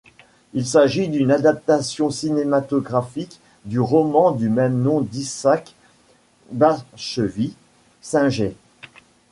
Il s'agit d'une adaptation cinématographique du roman du même nom d'Isaac Bashevis Singer.